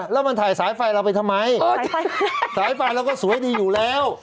แล้วมันถ่ายสายไฟเราไปทำไมสายไฟเราก็สวยดีอยู่แล้ว